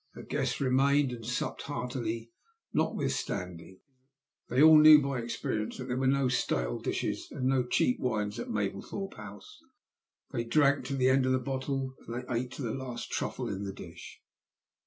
Her guests remained and supped heartily notwithstanding. They all knew by experience that there were no stale dishes and no cheap wines at Mablethorpe House. They drank to the end of the bottle, and they ate to the last truffle in the dish.